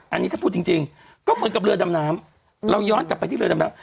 อันนี้ถ้าพูดจริงก็เหมือนกับเรือดำน้ำเราย้อนกลับไปที่เรือดำน้ำ